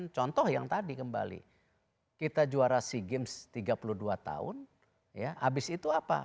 contoh yang tadi kembali kita juara sea games tiga puluh dua tahun ya habis itu apa